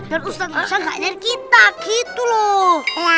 dan ustadz musa gak nyari kita gitu loh